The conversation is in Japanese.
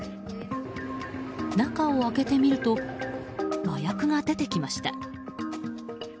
中を開けてみると麻薬が出てきました。